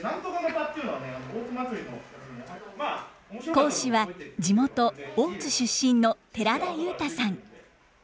講師は地元大津出身の寺田悠太さん。